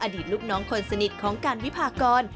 อดีตลูกน้องคนสนิทของการวิพากร